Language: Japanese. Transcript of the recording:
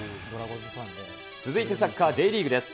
続いてサッカーＪリーグです。